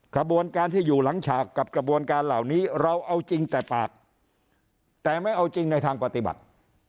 ขบวนการที่อยู่หลังฉากกับกระบวนการเหล่านี้เราเอาจริงแต่ปากแต่ไม่เอาจริงในทางปฏิบัติ